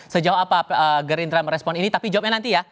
sejauh apa gerindra merespon ini tapi jawabnya nanti ya